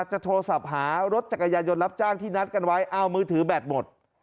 จะโทรศัพท์หารถจักรยานยนต์รับจ้างที่นัดกันไว้เอามือถือแบตหมด